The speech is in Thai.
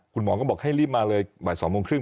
คุณหมอก็บอกให้รีบมาเลยบ่าย๒โมงครึ